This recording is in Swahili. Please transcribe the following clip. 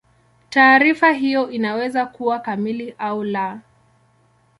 Taarifa hiyo inaweza kuwa kamili au la.